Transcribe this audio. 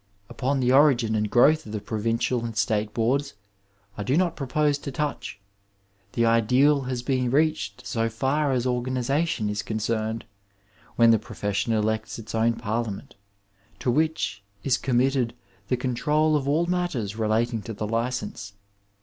Upon the origin and growth of the Provincial and State Boards I do not propose to touch. The ideal has been reached so far as organization is concerned, when the profession elects its own Parliament, to which is committed the con trol of all matters relating to the license.